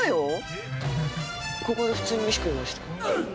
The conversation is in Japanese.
ここで普通に飯食いました。